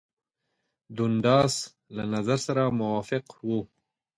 دونډاس له نظر سره موافق وو.